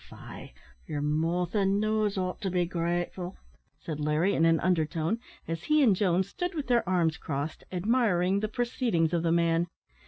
"Faix, yer mouth and nose ought to be grateful," said Larry, in an undertone, as he and Jones stood with their arms crossed, admiring the proceedings of the man.